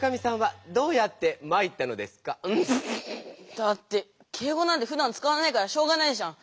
だって敬語なんてふだん使わないからしょうがないじゃん！